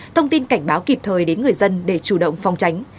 thông tin cảnh báo kịp thời đến người dân để chủ động phòng tránh